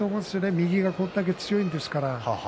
右がこれだけ強いんですから。